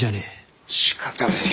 しかたねえ。